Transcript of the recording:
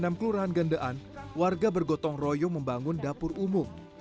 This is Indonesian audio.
di dalam kelurahan gandean warga bergotong royong membangun dapur umum